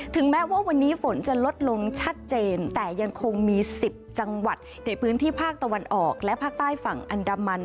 แม้ว่าวันนี้ฝนจะลดลงชัดเจนแต่ยังคงมี๑๐จังหวัดในพื้นที่ภาคตะวันออกและภาคใต้ฝั่งอันดามัน